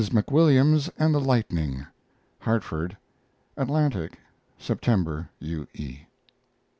McWILLIAMS AND THE LIGHTNING (Hartford) Atlantic, September. U. E.